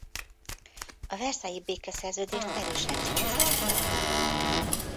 A Versailles-i békeszerződést erősen kritizálta.